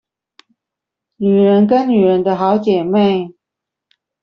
女人跟女人的好姐妹